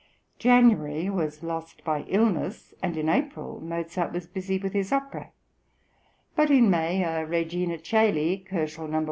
January was lost by illness, and in April, Mozart was busy with his opera; but in May, a "Regina Coeli" (127 K.)